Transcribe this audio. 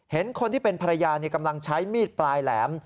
เห็นคนที่เป็นภรรยากำลังใช้มีดปลายแหลม